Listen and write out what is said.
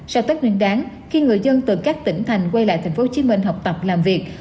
sao tất nguyên đáng khi người dân từ các tỉnh thành quay lại tp hcm học tập làm việc